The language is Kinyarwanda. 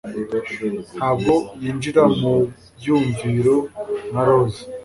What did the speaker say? ntabwo yinjira mubyumviro nka roza